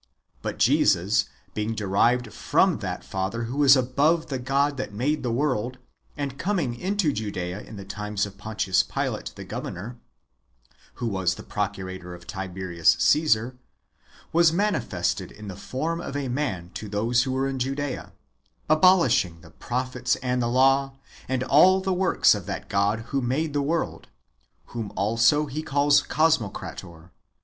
But Jesus being derived from that father who is above the God that made the world, and coming into Judsea in the times of Pontius Pilate the governor, who was the procurator of Tiberius Caesar, was manifested in the form of a man to those who were in Judaea, abolishing the prophets and the law, and all the works of that God who made the world, whom also he calls Cosmocrator.